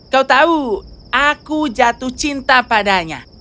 kau tahu aku jatuh cinta padanya